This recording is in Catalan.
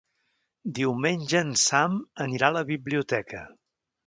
Diumenge en Sam anirà a la biblioteca.